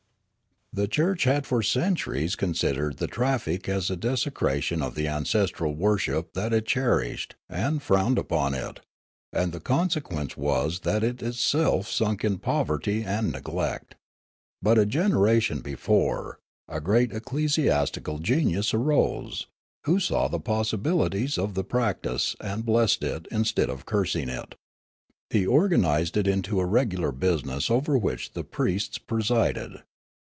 The church had for centuries considered the traffic Foolgar 229 as a desecration of the ancestral worship that it cher ished, and frowned upon it ; and the consequence was that it was itself sunk in poverty and neglect. But a generation before, a great ecclesiastical genius arose, who saw the possibilities of the practice, and blessed it instead of cursing it. He organised it into a regular business over which the priests presided.